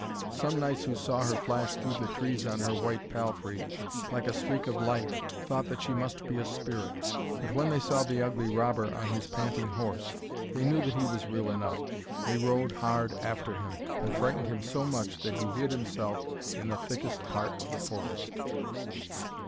Some knights who saw her flash through the trees on her white palfrey, like a streak of light, thought that she must be a spirit. [Illustration: Florimell's golden hair flew behind her (page 102)] But when they saw the ugly robber on his panting horse, they knew that he was real enough. They rode hard after him, and frightened him so much that he hid himself in the thickest part of the forest.